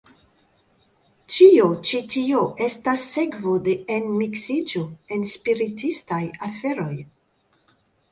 Ĉio ĉi tio estas sekvo de enmiksiĝo en spiritistaj aferoj.